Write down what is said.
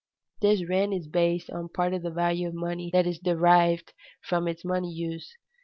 On this rent is based that part of the value of money that is derived from its money use.